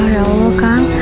ya allah kang